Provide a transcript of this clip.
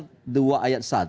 jadi maka saya sudah mengatakan